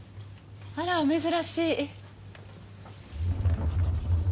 あらお珍しい。